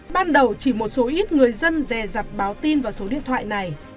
ban đầu chỉ một số ít người dân rè rặt báo tin vào số điện thoại này